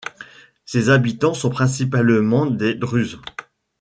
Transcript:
Ses habitants sont principalement des Druzes.